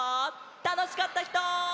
たのしかったひと！